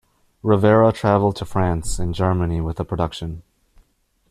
Rivera traveled to France and Germany with the production.